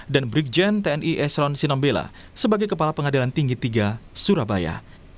dan brigjen tni esron sinambela sebagai kepala pengadilan tinggi tiga surabaya